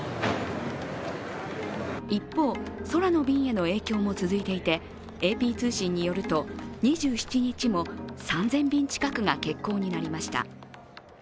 一方、空の便への影響も続いていてＡＰ通信によると２７日も３０００便近くが欠航になりました。